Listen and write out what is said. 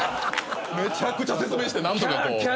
めちゃくちゃ説明して何とかこう。